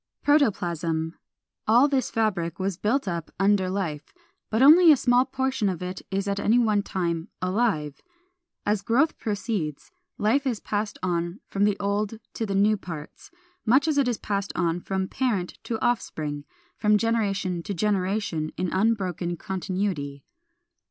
396. =Protoplasm.= All this fabric was built up under life, but only a small portion of it is at any one time alive. As growth proceeds, life is passed on from the old to the new parts, much as it has passed on from parent to offspring, from generation to generation in unbroken continuity.